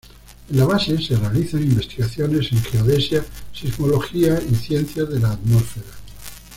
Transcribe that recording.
En la base se realizan investigaciones en geodesia, sismología y ciencias de la atmósfera.